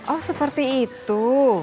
oh seperti itu